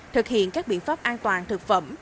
thực hiện các biện pháp an toàn thực phẩm